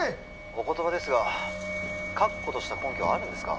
☎お言葉ですが確固とした根拠はあるんですか？